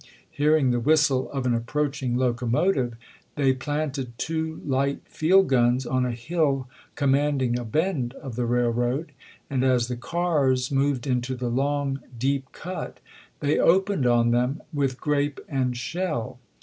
hearing the whistle of an approaching locomotive, they planted two light field guns on a hill com manding a bend of the railroad, and as the cars moved into the long, deep cut they opened on them with grape and shell.